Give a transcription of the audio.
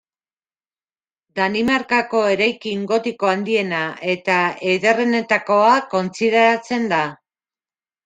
Danimarkako eraikin gotiko handiena eta ederrenetakoa kontsideratzen da.